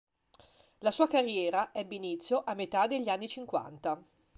La sua carriera ebbe inizio a metà degli anni cinquanta.